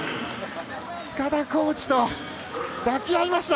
塚田コーチと抱き合いました。